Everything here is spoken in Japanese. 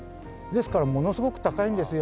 ですからものすごく高いんですよ。